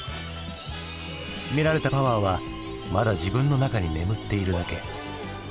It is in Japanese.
秘められたパワーはまだ自分の中に眠っているだけ。